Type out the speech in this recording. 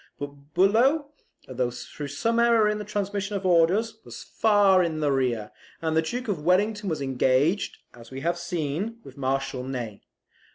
But Bulow, through some error in the transmission of orders, was far in the rear; and the Duke of Wellington was engaged, as we have seen, with Marshal Ney.